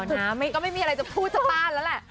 คือก็ไม่มีอะไรจะพูดจะต้านแล้วแหละ